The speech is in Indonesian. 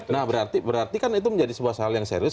nah berarti kan itu menjadi sebuah hal yang serius